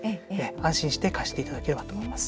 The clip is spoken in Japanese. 安心して貸していただければと思います。